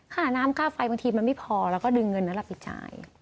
ค่าน้ำค่าไฟบางทีมันไม่พอเราก็ดึงเงินนั้นเราไปจ่าย